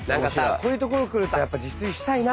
こういう所来るとやっぱ自炊したいなって。